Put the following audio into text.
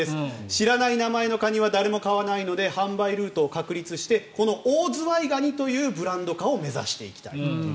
知らない名前のカニは誰も買わないので販売ルートを確立してこのオオズワイガニというブランド化を目指していきたいと。